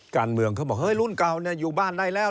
อกรานเมืองเขาบอกลูนเก่าอยู่บ้านได้แล้ว